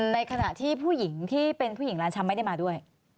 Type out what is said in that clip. ในขณะที่ผู้หญิงที่เป็นผู้หญิงร้านชำไม่ได้มาด้วย